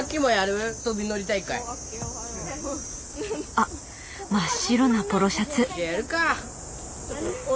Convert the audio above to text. あっ真っ白なポロシャツ。